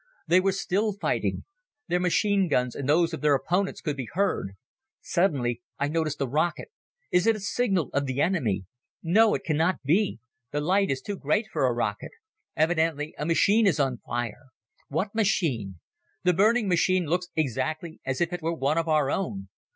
They were still fighting. Their machine guns and those of their opponents could be heard. Suddenly I notice a rocket. Is it a signal of the enemy? No, it cannot be. The light is too great for a rocket. Evidently a machine is on fire. What machine? The burning machine looks exactly as if it were one of our own.